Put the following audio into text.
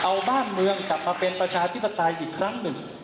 เอาบ้านเมืองกลับมาเป็นประชาธิปไตยอีกครั้งหนึ่ง